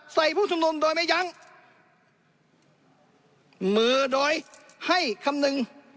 ผู้ชุมนุมโดยไม่ยั้งมือโดยให้คำนึง